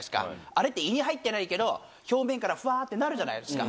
あれって胃に入ってないけど表面からふわぁってなるじゃないですか。